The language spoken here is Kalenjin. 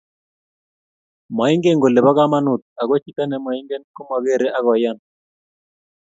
maingen kole bo kamanuut ago chito nemaingen komageere akoyaan